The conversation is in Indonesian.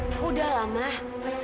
ya udahlah mah